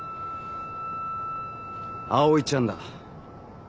葵ちゃんだ。